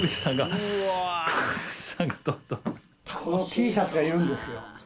このＴシャツが要るんですよ。